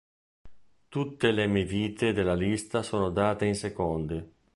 Tutte le emivite della lista sono date in secondi.